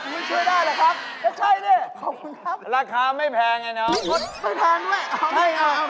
มันช่วยได้หรือครับไม่ใช่นี่ราคาไม่แพงไอ้น้องครับขอบคุณครับ